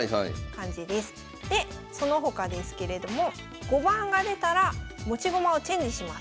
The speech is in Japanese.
でその他ですけれども５番が出たら持ち駒をチェンジします。